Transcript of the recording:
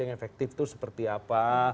yang efektif itu seperti apa